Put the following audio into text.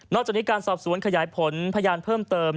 จากนี้การสอบสวนขยายผลพยานเพิ่มเติม